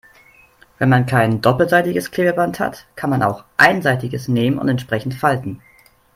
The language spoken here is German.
Wenn man kein doppelseitiges Klebeband hat, kann man auch einseitiges nehmen und entsprechend falten.